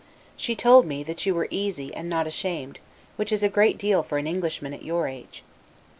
She told me, that you were easy, and not ashamed: which is a great deal for an Englishman at your age.